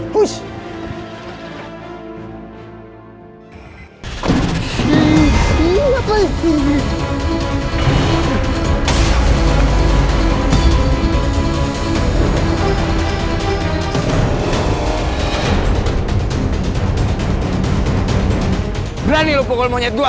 berani lo pokok monyet dua